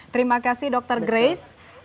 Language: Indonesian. terima kasih dokter grace